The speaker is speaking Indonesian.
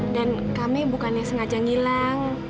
dan kami bukannya sengaja ngilang